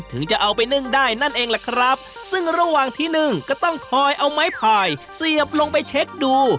ถึงจะเอาไปนึ่งได้นั่นเองแหละครับซึ่งระหว่างที่นึ่งก็ต้องคอยเอาไม้พายเสียบลงไปเช็คดู